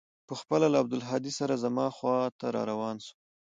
پخپله له عبدالهادي سره زما خوا ته راروان سو.